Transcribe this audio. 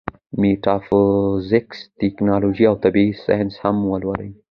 ميټافزکس ، تيالوجي او طبعي سائنس هم ولولي